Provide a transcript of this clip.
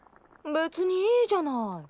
別にいいじゃない？